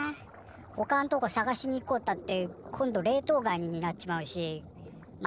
ほかんとこ探しに行こうったって今度冷凍ガニになっちまうしま